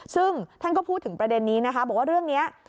ซึ่งท่านก็พูดถึงประเด็นนี้นะคะบอกว่าเรื่องนี้